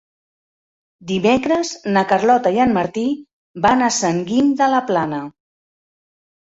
Dimecres na Carlota i en Martí van a Sant Guim de la Plana.